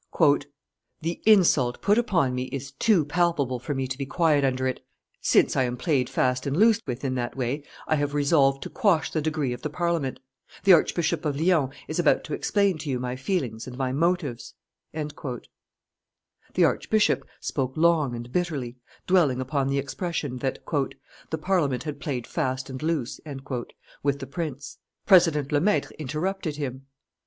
"The insult put upon me is too palpable for me to be quiet under it; since I am played fast and loose with in that way, I have resolved to quash the decree of the Parliament. The Archbishop of Lyons is about to explain to you my feelings and my motives." [Illustration: Lemaitre, Mayenne, and the Archbishop of Lyons 53] The archbishop spoke long and bitterly, dwelling upon the expression that "the Parliament had played fast and loose " with the prince. President Lemaitre interrupted him.